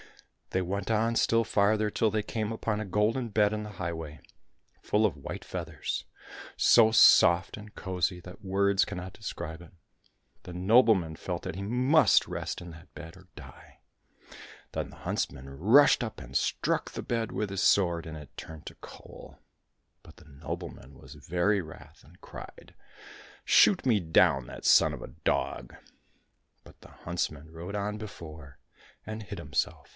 They went on still farther till they came upon a golden bed in the highway, full of white feathers so soft and cosy that words cannot describe it. The nobleman felt that he must rest in that bed or die. Then the huntsman rushed up and struck the bed with his sword, and it turned to coal. But the nobleman was very wrath, and cried, '' Shoot me down that son of a dog !" But the huntsman rode on before and hid himself.